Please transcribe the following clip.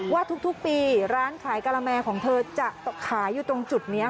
ว่าทุกปีร้านขายกะละแมของเธอจะขายอยู่ตรงจุดนี้